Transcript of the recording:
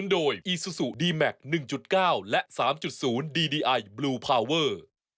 ดีไอบลูพาวเวอร์